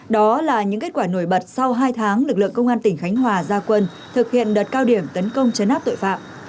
đó là những kết quả nổi bật sau hai tháng lực lượng công an tỉnh khánh hòa ra quân thực hiện đợt cao điểm tấn công chấn áp tội phạm